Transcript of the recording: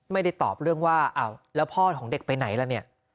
ไม่ได้ตอบเรื่องว่าอ้าวแล้วพ่อของเด็กไปไหนล่ะเนี่ย